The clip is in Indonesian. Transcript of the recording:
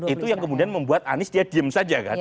itu yang kemudian membuat anies dia diem saja kan